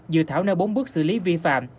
dự thảo nơi bốn bước xử lý vi phạm